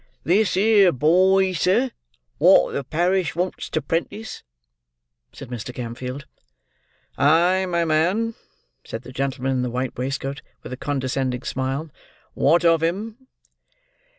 "This here boy, sir, wot the parish wants to 'prentis," said Mr. Gamfield. "Ay, my man," said the gentleman in the white waistcoat, with a condescending smile. "What of him?"